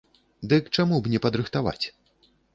Дык чаму б не падрыхтаваць?